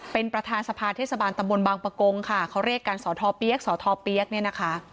เป็นประธานสภาเทศบาลตำบลบางประกงค่ะเขาเรียกกันสอทอเปี๊ยกสทเปี๊ยกเนี่ยนะคะ